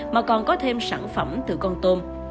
mà còn có thêm sản phẩm từ con tôm